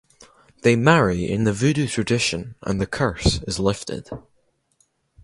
They marry in the voodoo tradition and the curse is lifted.